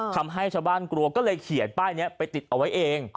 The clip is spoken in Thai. ทำให้ชาวบ้านกลัวก็เลยเขียนป้ายนี้ไปติดเอาไว้เอง